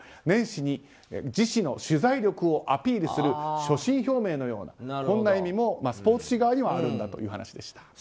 年始に自紙の取材力をアピールする所信表明のようなこんな意味もスポーツ紙側にはあるんだという話でした。